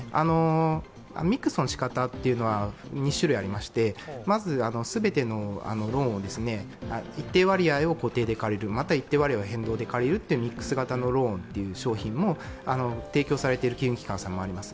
ミックスのしかたというのは２種類ありましてまず全てのローンを一定割合を固定で借りる、または一定割合を変動で借りるというミックス型のローンを提供されている金融機関さんもあります。